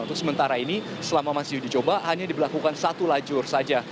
untuk sementara ini selama masih uji coba hanya diberlakukan satu lajur saja